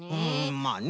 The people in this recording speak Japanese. まあね。